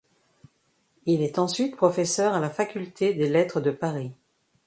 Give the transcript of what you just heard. Il est ensuite professeur à la faculté des lettres de Paris.